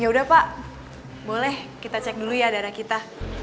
yaudah pak boleh kita cek dulu ya darah kita